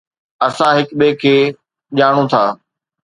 اسان هڪ ٻئي کي ڄاڻون ٿا